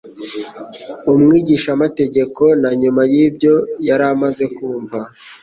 Umwigishamategeko, na nyuma y'ibyo yari amaze kumva,